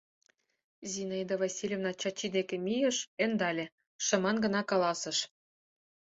Зинаида Васильевна Чачи деке мийыш, ӧндале, шыман гына каласыш: